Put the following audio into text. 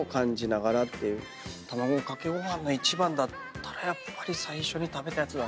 たまごかけごはんの一番だったらやっぱ最初に食べたやつだなと。